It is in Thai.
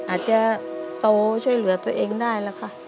อาจจะโตช่วยเหลือตัวเองได้แล้วค่ะ